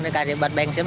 dia kasih buat bensin